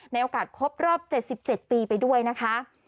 ในโอกาสครบรอบ๗๗ปีไปด้วยนะคะ